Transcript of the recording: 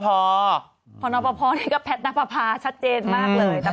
พอร์โนปพอร์นี่ก็แพทนักภาษาชัดเจนมากเลย